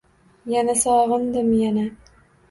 Yana sog'indim, yana!